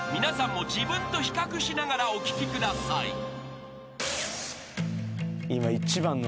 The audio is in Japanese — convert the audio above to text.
［皆さんも自分と比較しながらお聴きください］